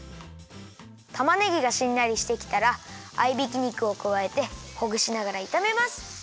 たまねぎがしんなりしてきたら合いびき肉をくわえてほぐしながらいためます。